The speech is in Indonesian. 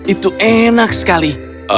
itu enak sekali